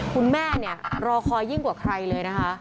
คุณแม่เนี่ยรอคอยยิ่งกว่าใครเลยนะคะ